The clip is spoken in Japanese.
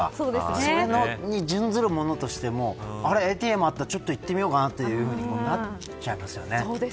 それに準ずるものとしてもＡＴＭあったらちょっと行ってみようかなってなっちゃいますよね。